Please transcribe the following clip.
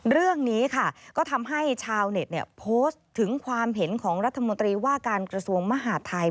เรื่องนี้ค่ะก็ทำให้ชาวเน็ตโพสต์ถึงความเห็นของรัฐมนตรีว่าการกระทรวงมหาดไทย